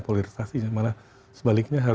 polarisasinya malah sebaliknya